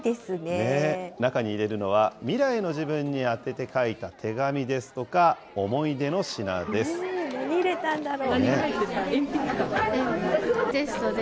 中に入れるのは、未来の自分に宛てて書いた手紙ですとか、何入れたんだろう。